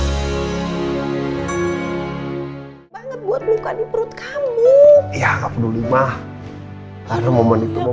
hai banget buat luka di perut kamu ya nggak peduli mah karena momen itu mau